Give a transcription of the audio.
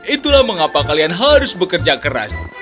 itulah mengapa kalian harus bekerja keras